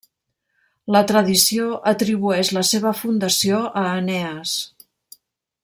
La tradició atribueix la seva fundació a Enees.